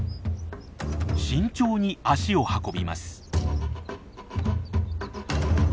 慎重に足を運びます。